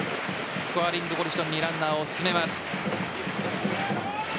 スコアリングポジションにランナーを進めます。